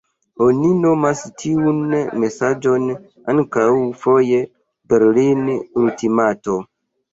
Oni nomas tiun mesaĝon ankaŭ foje Berlin-ultimato.